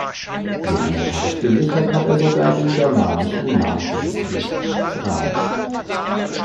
Dokumentarisch gesichert hat er sogar den germanischen Namen registriert: Frame.